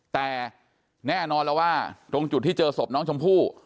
แต่แน่นอนแล้วว่าตรงจุดที่เจอศพน้องชมพู่